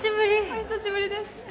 お久しぶりです